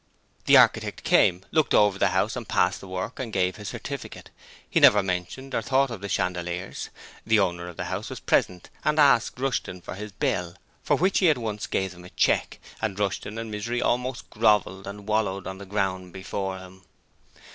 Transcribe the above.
The architect came, looked ever the house, passed the work, and gave his certificate; he never mentioned or thought of the chandeliers. The owner of the house was present and asked for Rushton's bill, for which he at once gave them a cheque and Rushton and Misery almost grovelled and wallowed on the ground before him.